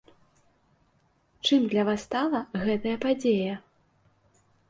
Чым для вас стала гэтая падзея?